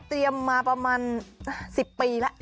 เตรียมมาประมาณ๑๐ปีละ